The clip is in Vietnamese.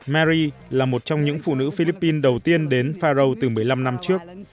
mary là một trong những phụ nữ philippines đầu tiên đến pharo từ một mươi năm năm trước